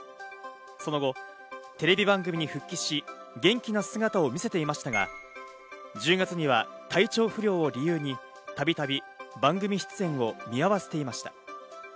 その後、テレビ番組に復帰し、元気な姿を見せていましたが、１０月には体調不良を理由に、たびたび番組出演を見合わせていました。